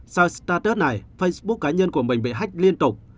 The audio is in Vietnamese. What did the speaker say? sau startud này facebook cá nhân của mình bị hách liên tục